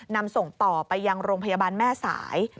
นำส่งต่อไปยังโรงพยาบาลแม่สาย